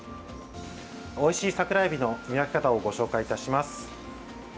おいしい桜えびの見分け方をご紹介いたします。